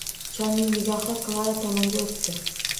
Cholning nigohi Klara tomonga o’tdi